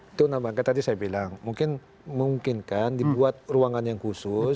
itu namanya tadi saya bilang mungkin kan dibuat ruangan yang khusus